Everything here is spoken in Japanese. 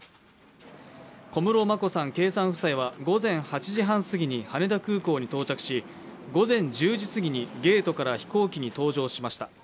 小室眞子さん、圭さん夫妻は午前８時半過ぎに羽田空港に到着し、午前１０時すぎにゲートから飛行機に搭乗しました。